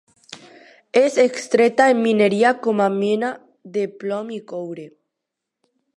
És extreta en mineria com a mena de plom i coure.